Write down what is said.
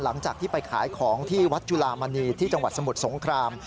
หลังจากที่ไปขายของที่วัดจุลามณีที่จังหวัดสมุทรสงคราม